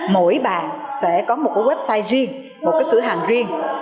mỗi bạn sẽ có một cái website riêng một cái cửa hàng riêng